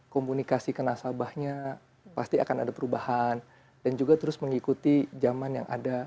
komunikasi ke nasabahnya pasti akan ada perubahan dan juga terus mengikuti zaman yang ada